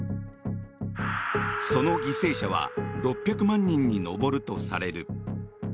その犠牲者は６００万人に上るとされる。